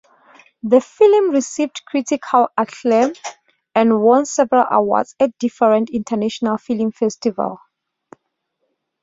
The film received critical acclaim and won several awards at different international film festivals.